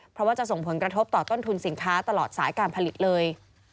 เพราะว่าจะส่งผลกระทบต่อต้นทุนสินค้าตลอดสายการผลิตเลย